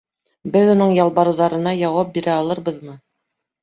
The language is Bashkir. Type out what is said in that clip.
Беҙ уның ялбарыуҙарына яуап бирә алырбыҙмы?